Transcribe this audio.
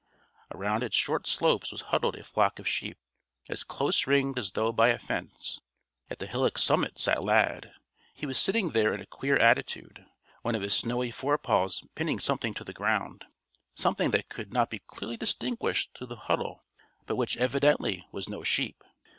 Around its short slopes was huddled a flock of sheep, as close ringed as though by a fence. At the hillock's summit sat Lad. He was sitting there in a queer attitude, one of his snowy forepaws pinning something to the ground something that could not be clearly distinguished through the huddle but which, evidently, was no sheep.